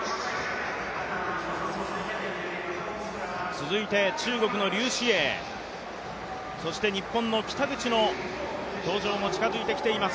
続いて中国の劉詩穎、日本の北口の登場も近づいてきています。